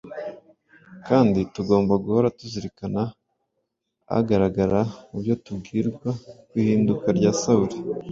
kandi tugomba guhora tuzirikana agaragara mu byo tubwirwa ku ihinduka rya Sawuli.